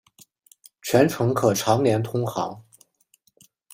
全程可常年通航。